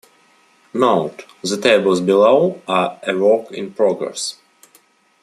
Note: The tables below are a work in progress.